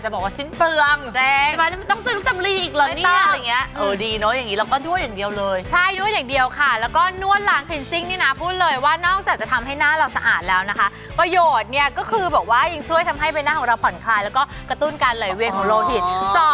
ประโยชน์เนี่ยก็คือบอกว่ายิ่งช่วยทำให้เบนหน้าของเราผ่อนคลายแล้วก็กระตุ้นการเหลยเวียงของโลหิต